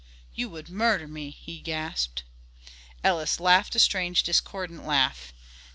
"You would murder me," he gasped. Ellis laughed a strange, discordant laugh.